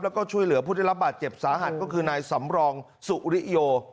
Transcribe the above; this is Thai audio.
แล้วก็ช่วยเหลือผู้ได้รับบาดเจ็บสาหัสก็คือนายสำรองสุริโย